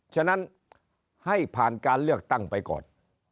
ฉะนั้นให้ผ่านการเลือกตั้งไปก่อน